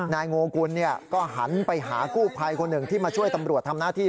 นายโงกุลก็หันไปหากู้ภัยคนหนึ่งที่มาช่วยตำรวจทำหน้าที่